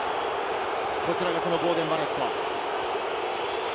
こちらがそのボーデン・バレット。